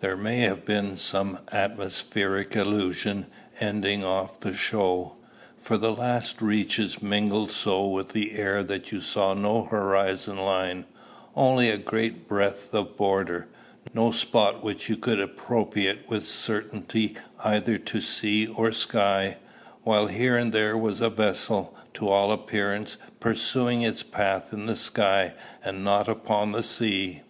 There may have been some atmospheric illusion ending off the show, for the last reaches mingled so with the air that you saw no horizon line, only a great breadth of border; no spot which could you appropriate with certainty either to sea or sky; while here and there was a vessel, to all appearance, pursuing its path in the sky, and not upon the sea.